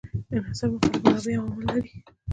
انحصار مختلف منابع او عوامل لري.